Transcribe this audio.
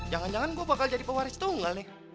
jangan jangan gue bakal jadi pewaris tunggal nih